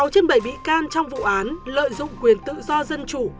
sáu trên bảy bị can trong vụ án lợi dụng quyền tự do dân chủ